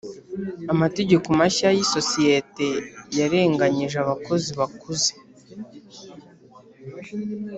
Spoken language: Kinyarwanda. amategeko mashya yisosiyete yarenganyije abakozi bakuze.